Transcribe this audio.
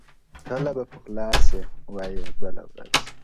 کله به پخلا سي، وايي بله ورځ -